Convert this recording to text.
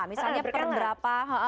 misalnya per berapa